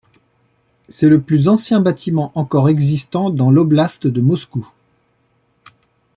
C'est le plus ancien bâtiment encore existant dans l'oblast de Moscou.